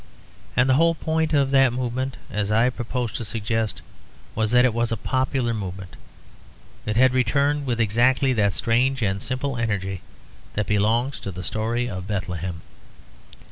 And the whole point of that movement, as I propose to suggest, was that it was a popular movement. It had returned with exactly that strange and simple energy that belongs to the story of Bethlehem.